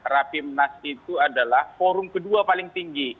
rapimnas itu adalah forum kedua paling tinggi